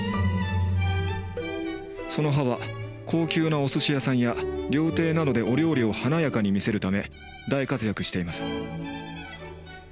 その葉は高級なおすし屋さんや料亭などでお料理を華やかに見せるため大活躍しています。